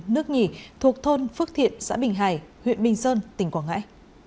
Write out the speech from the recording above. nước nhì thuộc thôn phước thiện xã bình hải huyện bình sơn tỉnh quảng ngãi